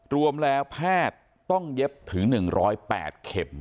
รวมแล้วแพทย์ต้องเย็บถึง๑๐๘เข็ม